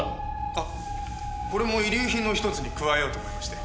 あっこれも遺留品の一つに加えようと思いまして。